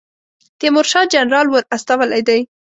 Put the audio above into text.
تیمورشاه جنرال ور استولی دی.